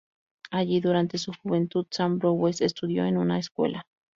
Allí, durante su juventud, Sam Bowers estudió en una escuela.